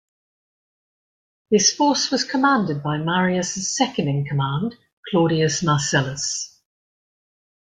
This force was commanded by Marius's second-in-command, Claudius Marcelus.